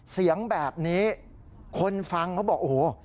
เสียงแบบนี้คนฟังเขาบอกโอ้โห